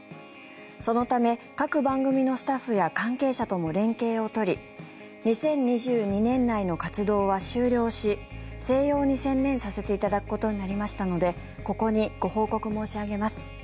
そのため、各番組のスタッフや関係者とも連携を取り２０２２年内の活動は終了し静養に専念させていただくことになりましたのでここにご報告申し上げます。